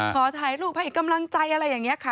ขอถ่ายรูปให้กำลังใจอะไรอย่างนี้ค่ะ